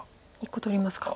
１個取りますか。